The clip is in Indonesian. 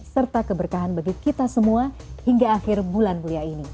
serta keberkahan bagi kita semua hingga akhir bulan mulia ini